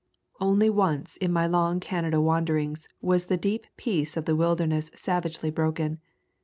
Only once in my long Canada wanderings was the deep peace of the wilder ness savagely broken.